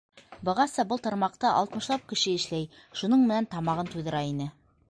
Бығаса был тармаҡта алтмышлап кеше эшләй, шуның менән тамағын туйҙыра ине.